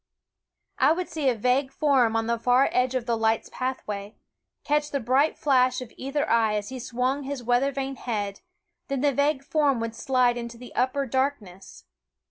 I would see a vague form on the far edge of the light's pathway ; catch the bright flash of either eye as he swung his weather vane head ; then the vague form would slide into the upper dark ness.